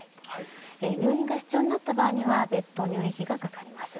入院が必要になった場合には別途入院費がかかります。